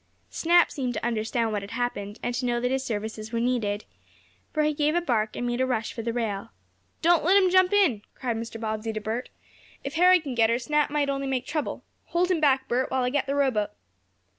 Snap seemed to understand what had happened, and to know that his services were needed, for he gave a bark, and made a rush for the rail. "Don't let him jump in!" cried Mr. Bobbsey to Bert. "If Harry can get her, Snap might only make trouble. Hold him back, Bert, while I get the rowboat."